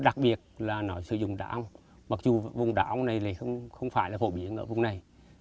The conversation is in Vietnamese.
đặc biệt là nó sử dụng đảo mặc dù vùng đảo này lại không phải là phổ biến ở vùng này